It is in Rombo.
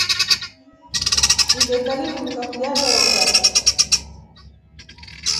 Imbeta lirunduka kulya dooka.